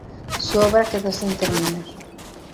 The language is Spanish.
Su obra quedó sin terminar.